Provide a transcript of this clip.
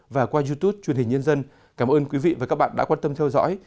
và qua youtube truyền hình nhân dân cảm ơn quý vị và các bạn đã quan tâm theo dõi